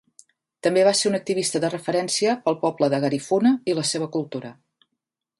També va ser un activista de referència per al poble de Garifuna i la seva cultura.